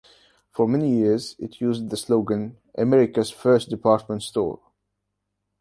For many years it used the slogan, "America's First Department Store".